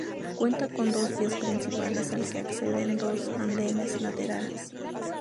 Cuenta con dos vías principales al que acceden dos andenes laterales.